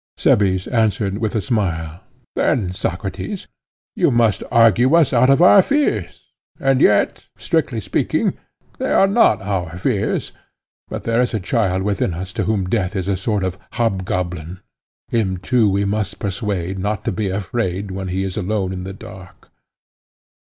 Cebes answered with a smile: Then, Socrates, you must argue us out of our fears—and yet, strictly speaking, they are not our fears, but there is a child within us to whom death is a sort of hobgoblin; him too we must persuade not to be afraid when he is alone in the dark.